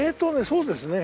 そうですね。